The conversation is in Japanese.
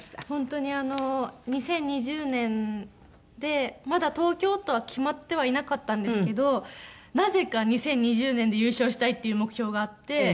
本当に２０２０年でまだ東京とは決まってはいなかったんですけどなぜか２０２０年で優勝したいっていう目標があって。